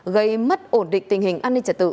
gây mất ổn định tình hình an ninh trật tự